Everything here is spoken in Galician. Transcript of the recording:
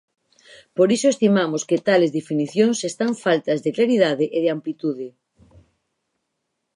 Por iso estimamos que tales definicións están faltas de claridade e de amplitude.